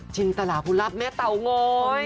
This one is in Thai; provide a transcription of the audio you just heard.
ชินตลาดผู้รับแม่เตาโง้ย